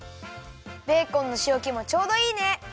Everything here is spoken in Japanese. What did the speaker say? ベーコンのしおけもちょうどいいね！